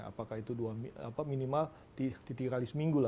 apakah itu minimal tiga kali seminggu